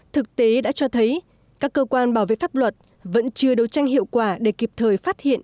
thực tế đã cho thấy các cơ quan bảo vệ pháp luật vẫn chưa đấu tranh hiệu quả để kịp thời phát hiện